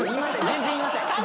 全然言いません。